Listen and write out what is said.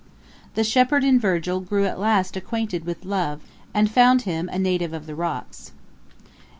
'The shepherd in Virgil grew at last acquainted with Love, and found him a native of the rocks.